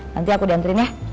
nanti aku dianturin ya